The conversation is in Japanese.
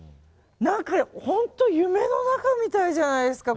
本当に夢の中みたいじゃないですか